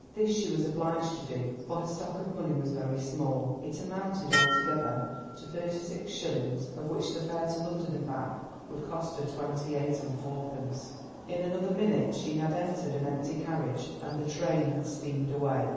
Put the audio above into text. This she was obliged to do, for her stock of money was very small; it amounted, altogether, to thirty six shillings, of which the fare to London and back would cost her twenty eight and fourpence. In another minute she had entered an empty carriage, and the train had steamed away.